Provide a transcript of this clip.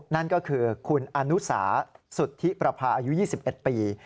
นั่นก็คือคุณอนุสาสุทธิประพาอายุ๒๑ปี